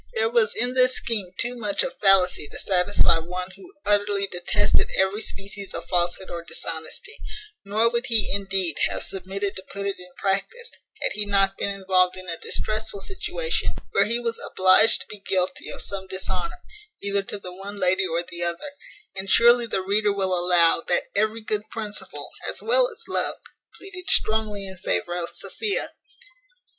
There was in this scheme too much of fallacy to satisfy one who utterly detested every species of falshood or dishonesty: nor would he, indeed, have submitted to put it in practice, had he not been involved in a distressful situation, where he was obliged to be guilty of some dishonour, either to the one lady or the other; and surely the reader will allow, that every good principle, as well as love, pleaded strongly in favour of Sophia.